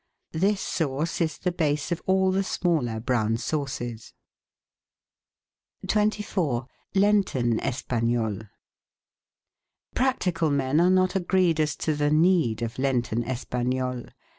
This sauce is the base of all the smaller brown sauces. 24— LENTEN ESPAGNOLE Practical men are not agreed as to the need of Lenten Espagnole.